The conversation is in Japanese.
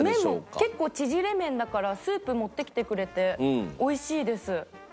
麺も結構ちぢれ麺だからスープ持ってきてくれて美味しいです。